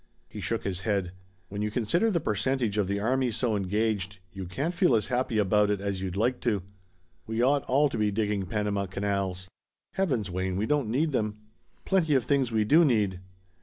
He shook his head. "When you consider the percentage of the army so engaged, you can't feel as happy about it as you'd like to. We ought all to be digging Panama canals!" "Heavens, Wayne we don't need them." "Plenty of things we do need."